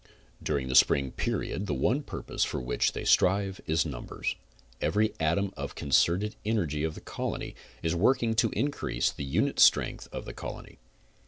During the spring period the one purpose for which they strive is numbers. Every atom of concerted energy of the colony is working to increase the unit strength of the colony.